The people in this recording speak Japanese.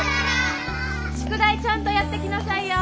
宿題ちゃんとやってきなさいよ。